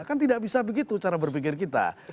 kan tidak bisa begitu cara berpikir kita